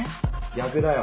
逆だよ。